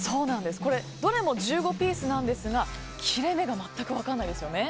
どれも１５ピースなんですが切れ目が全く分からないですよね。